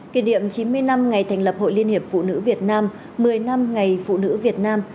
kỷ niệm chín mươi năm ngày thành lập hội liên hiệp phụ nữ việt nam một mươi năm ngày phụ nữ việt nam